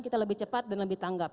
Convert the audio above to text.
kita lebih cepat dan lebih tanggap